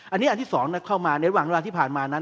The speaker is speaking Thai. อันนี้อันที่๒เข้ามาในหวังเวลาที่ผ่านมานั้น